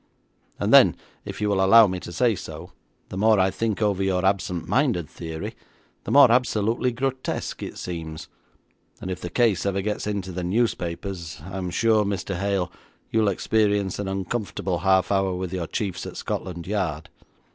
And then, if you will allow me to say so, the more I think over your absent minded theory, the more absolutely grotesque it seems, and if the case ever gets into the newspapers, I am sure, Mr Hale, you'll experience an uncomfortable half hour with your chiefs at Scotland Yard.'